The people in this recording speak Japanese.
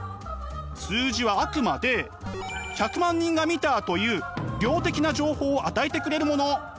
数字はあくまで１００万人が見たという「量」的な情報を与えてくれるもの。